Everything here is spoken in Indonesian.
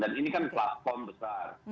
dan ini kan platform besar